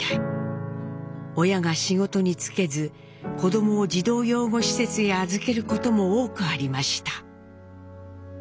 親が仕事に就けず子どもを児童養護施設へ預けることも多くありました。